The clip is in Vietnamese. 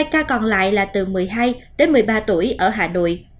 hai ca còn lại là từ một mươi hai đến một mươi ba tuổi ở hà nội